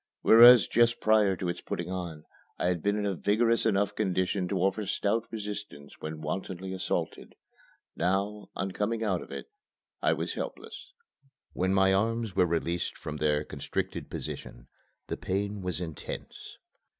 Whereas just prior to its putting on I had been in a vigorous enough condition to offer stout resistance when wantonly assaulted, now, on coming out of it, I was helpless. When my arms were released from their constricted position, the pain was intense.